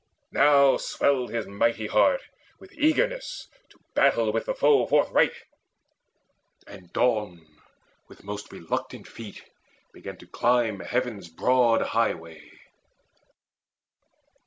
Now swelled his mighty heart with eagerness To battle with the foe forthright. And Dawn With most reluctant feet began to climb Heaven's broad highway.